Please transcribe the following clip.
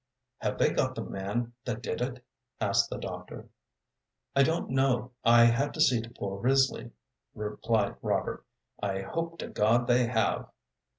"Have they got the man that did it?" asked the doctor. "I don't know. I had to see to poor Risley," replied Robert. "I hope to God they have."